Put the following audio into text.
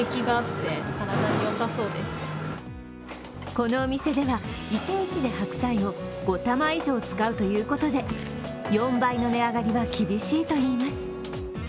このお店では一日で白菜を５玉以上使うということで４倍の値上がりは厳しいといいます。